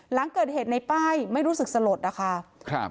หลังเกิดเหตุในป้ายไม่รู้สึกสลดนะคะครับ